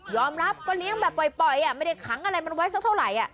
อมรับก็เลี้ยงแบบปล่อยไม่ได้ขังอะไรมันไว้สักเท่าไหร่